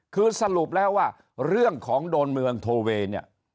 คือสรุปแล้วว่าเรื่องของโดนเมืองโทเวย์เนี่ย